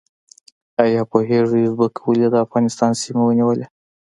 ایا پوهیږئ ازبکو ولې د افغانستان سیمې ونیولې؟